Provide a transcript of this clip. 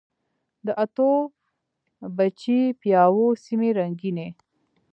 د اتو، بچي، پیتاو سیمي رنګیني